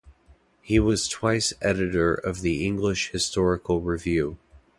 He was twice editor of the "English Historical Review".